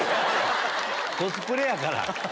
コスプレやから。